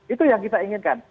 itu yang kita inginkan